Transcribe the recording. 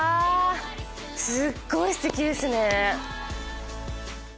すっごいステキですね！